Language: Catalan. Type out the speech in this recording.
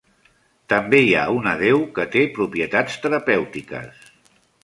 També hi ha una deu que té propietats terapèutiques.